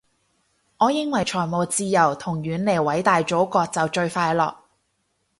我認為財務自由同遠離偉大祖國就最快樂